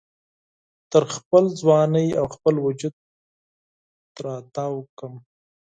تر خپل ځوانۍ او خپل وجود را تاو کړم